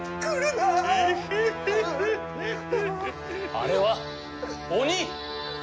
あれは鬼！